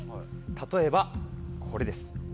例えばこれです。